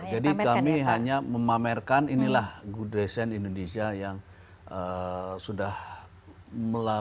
jadi kami hanya memamerkan inilah good design indonesia yang sudah melalui